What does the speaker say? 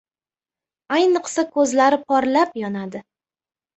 Ayniqsa, ko‘zlari porlab yonadi!